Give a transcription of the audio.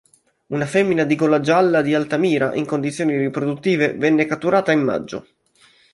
Una femmina di golagialla di Altamira in condizioni riproduttive venne catturata in maggio.